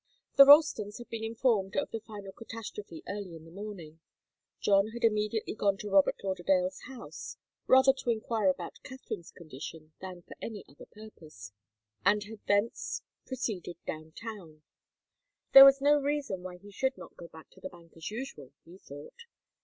The Ralstons had been informed of the final catastrophe early in the morning. John had immediately gone to Robert Lauderdale's house, rather to enquire about Katharine's condition than for any other purpose, and had thence proceeded down town. There was no reason why he should not go to the bank as usual, he thought.